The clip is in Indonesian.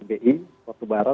bapak ibu bapak barat